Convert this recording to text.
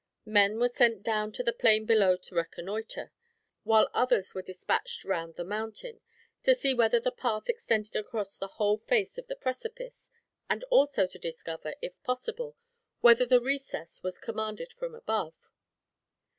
Men were sent down to the plain below to reconnoiter; while others were dispatched round the mountain, to see whether the path extended across the whole face of the precipice, and also to discover, if possible, whether the recess was commanded from above.